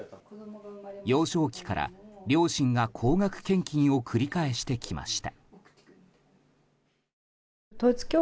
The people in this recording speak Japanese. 幼少期から両親が高額献金を繰り返してきました。